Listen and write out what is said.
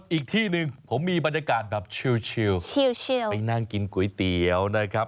อีกที่หนึ่งผมมีบรรยากาศแบบชิลไปนั่งกินก๋วยเตี๋ยวนะครับ